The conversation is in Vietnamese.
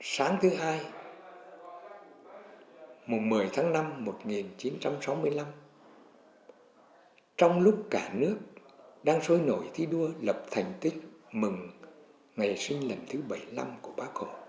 sáng thứ hai một mươi tháng năm một nghìn chín trăm sáu mươi năm trong lúc cả nước đang sôi nổi thi đua lập thành tích mừng ngày sinh lần thứ bảy mươi năm của bác hồ